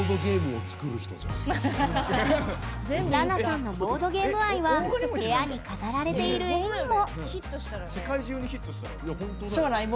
らなさんのボードゲーム愛は部屋に飾られている絵にも。